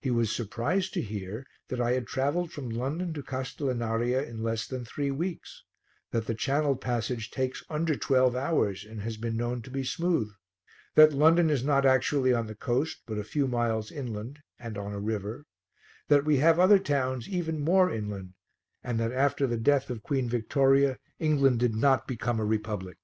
He was surprised to hear that I had travelled from London to Castellinaria in less than three weeks; that the channel passage takes under twelve hours and has been known to be smooth; that London is not actually on the coast but a few miles inland and on a river; that we have other towns even more inland and that after the death of Queen Victoria, England did not become a republic.